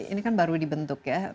ini kan baru dibentuk ya